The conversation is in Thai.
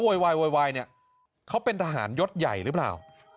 โวยวายโวยวายเนี่ยเขาเป็นทหารยศใหญ่หรือเปล่า